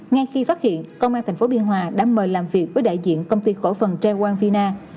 ngay khi phát hiện công an tp biên hòa đã mời làm việc với đại diện công ty cổ phần tra wang vina